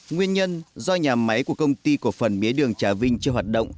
nguyên nhân do nhà máy của công ty cổ phần mía đường trà vinh chưa hoạt động